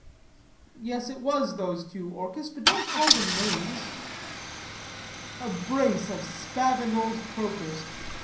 "'Yes, it was those two, Orchis, but don't call them names.' "'A brace of spavined old croakers.